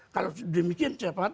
kalau demikian cepat